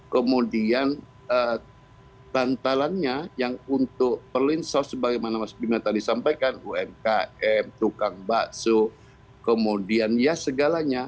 kemudian tantalannya yang untuk perlinsau sebagai mana mas bimya tadi sampaikan umkm tukang bakso kemudian ya segalanya